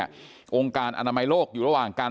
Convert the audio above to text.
ก็คือเป็นการสร้างภูมิต้านทานหมู่ทั่วโลกด้วยค่ะ